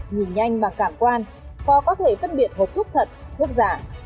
nhìn nhanh bằng cảm quan kho có thể phân biệt hộp thuốc thật thuốc giả